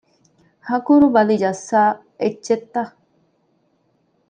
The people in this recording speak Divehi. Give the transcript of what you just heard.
ހަކުރުބަލި ޖައްސާ އެއްޗެއްތަ؟